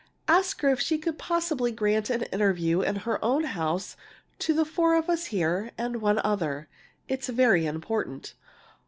"Ask her if she could possibly grant an interview in her own house to the four of us here and one other. It's very important."